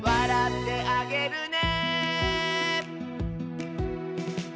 「おどってあげるね」